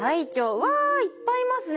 うわいっぱいいますね。